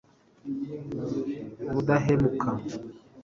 ubudahemuka